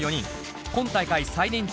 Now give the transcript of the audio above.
今大会最年長